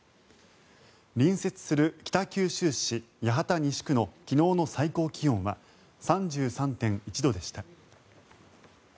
隣接する北九州市八幡西区の昨日の最高気温は３３．１度でした。